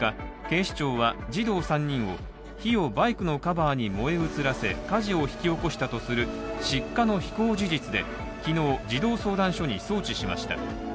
警視庁は児童３人を火をバイクのカバーに燃え移らせ火事を引き起こしたとする失火の非行事実で昨日、児童相談所に送致しました。